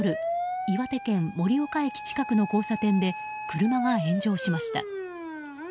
岩手県盛岡駅の近くの交差点で車が炎上しました。